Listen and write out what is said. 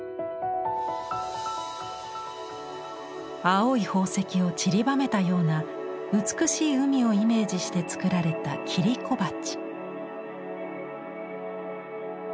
青い宝石をちりばめたような美しい海をイメージして作られた切子鉢。